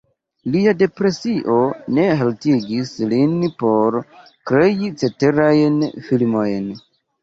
Lia depresio ne haltigis lin por krei ceterajn filmojn.